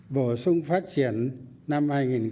bổ sung phát triển năm hai nghìn một mươi năm